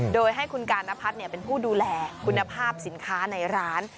โดยให้คุณกานพัฒน์เป็นผู้ดูแลคุณภาพสินค้าในร้าน